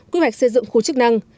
quy hoạch xây dựng khu chức năng